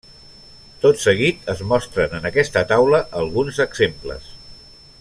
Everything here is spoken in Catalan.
Tot seguit es mostren en aquesta taula alguns exemples.